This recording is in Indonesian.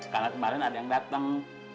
karena semaren ada yang dateng